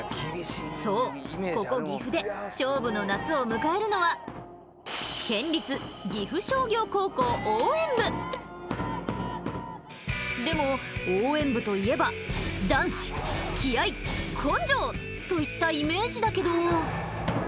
そうここ岐阜で勝負の夏を迎えるのはでも応援部といえばといったイメージだけど。